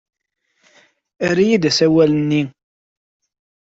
Err-iyi-d asawal-nni.